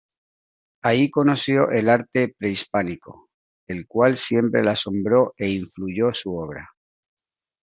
Ahí conoció el arte prehispánico el cual siempre le asombró e influyó su obra.